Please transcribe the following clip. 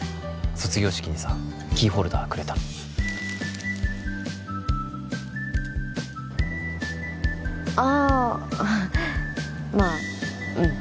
卒業式にさキーホルダーくれたのあまあうん